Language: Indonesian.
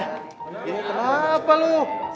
ya kenapa lu